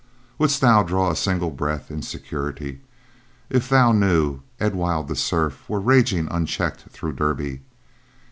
"Wouldst thou draw a single breath in security if thou knew Edwild the Serf were ranging unchecked through Derby?